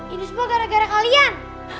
ini semua gara gara kalian